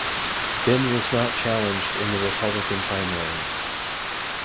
Ben was not challenged in the Republican Primary.